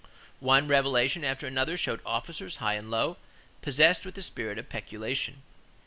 One revelation after another showed officers, high and low, possessed with the spirit of peculation.